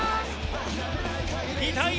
２対１。